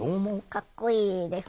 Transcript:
かっこいいです。